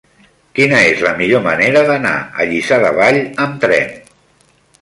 Quina és la millor manera d'anar a Lliçà de Vall amb tren?